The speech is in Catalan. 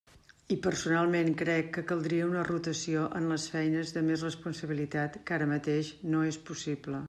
I personalment crec que caldria una rotació en les feines de més responsabilitat que ara mateix no és possible.